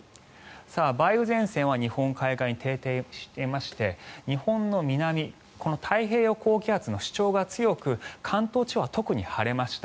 梅雨前線は日本海側に停滞していまして日本の南この太平洋高気圧の主張が強く関東地方は特に晴れました。